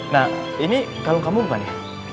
nah ini kalung kamu bukan ya